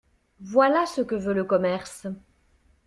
Voilà ce que veut le commerce!